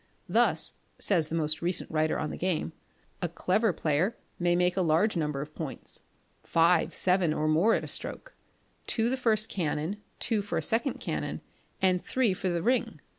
Thus (says the most recent writer on the game) a clever player may make a large number of points five, seven, or more at a stroke: two the first canon, two for a second canon, and three for the ring.